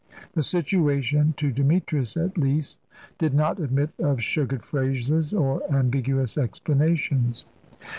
The situation to Demetrius, at least did not admit of sugared phrases or ambiguous explanations.